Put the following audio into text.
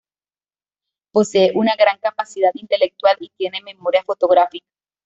Posee una gran capacidad intelectual y tiene memoria fotográfica.